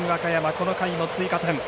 この回も追加点